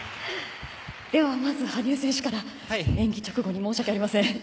ではまず羽生選手から演技直後に申し訳ありません。